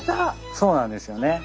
そうなんですよね。